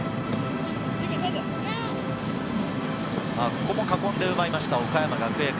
ここも囲んで奪いました、岡山学芸館。